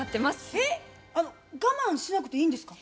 えっ我慢しなくていいんですか？